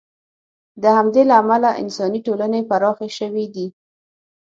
د همدې له امله انساني ټولنې پراخې شوې دي.